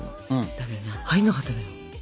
だけどね入んなかったのよ。